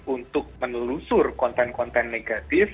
untuk menelusur konten konten negatif